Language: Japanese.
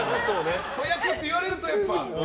子役って言われるとやっぱり。